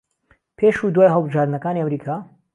پێش و دوای هەڵبژاردنەکانی ئەمریکا